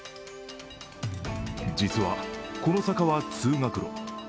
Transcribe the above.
実は、この坂は通学路。